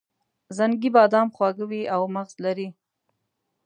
زنګي بادام خواږه وي او مغز لري.